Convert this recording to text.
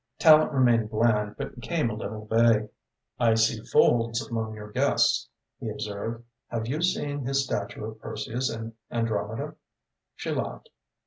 Tallente remained bland, but became a little vague. "I see Foulds amongst your guests," he observed. "Have you seen his statue of Perseus and Andromeda!'" She laughed.